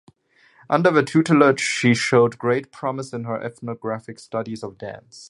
Under their tutelage, she showed great promise in her ethnographic studies of dance.